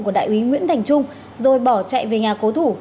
của đại úy nguyễn thành trung rồi bỏ chạy về nhà cố thủ